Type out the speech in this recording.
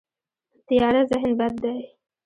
تیاره ذهن بد دی.